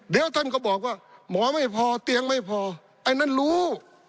เดี๋ยวท่านก็บอกว่าหมอไม่พอเตียงไม่พอไอ้นั้นรู้